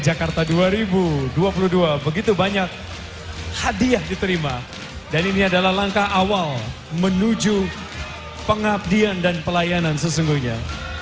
jakarta dua ribu dua puluh dua begitu banyak hadiah diterima dan ini adalah langkah awal menuju pengabdian dan pelayanan sesungguhnya